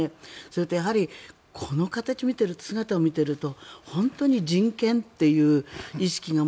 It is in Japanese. それと、やはりこの姿を見ていると本当に人権という意識が